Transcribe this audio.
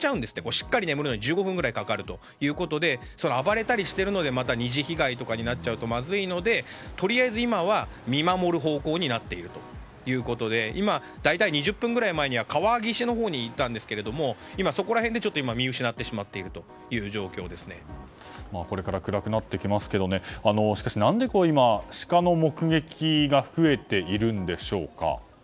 しっかり眠るのに１５分ぐらいかかるので暴れたりしてまた二次被害とかになっちゃうとまずいのでとりあえず今は見守る方向になっているということで大体２０分ぐらい前に川岸のほうに行ったんですが今、そこら辺で見失ってしまっているというこれから暗くなってきますけどしかしなんで今、シカの目撃が増えているんでしょうか？